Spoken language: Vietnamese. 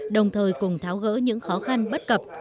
đồng thời cùng tháo gỡ những khó khăn bất cập